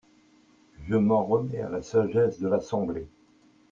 Je m’en remets à la sagesse de l’Assemblée.